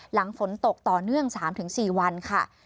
หลังฝนตกต่อเนื่อง๓๔วันค่ะ